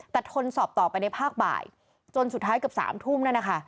แต่ทนสอบต่อไปในภาคบ่ายจนสุดท้ายเกือบ๓ทุ่มนั่นนะคะ